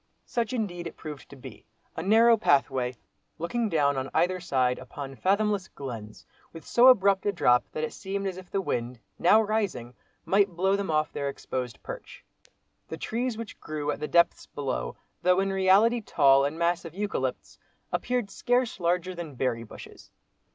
Such indeed it proved to be. A narrow pathway, looking down on either side, upon fathomless glens, with so abrupt a drop that it seemed as if the wind, now rising, might blow them off their exposed perch. The trees which grew at the depths below, though in reality tall and massive eucalypts, appeared scarce larger than berry bushes.